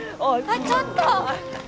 あっちょっと！